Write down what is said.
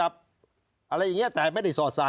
อะไรอย่างนี้แต่ไม่ได้สอดสาย